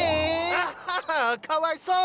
アハハかわいそうね。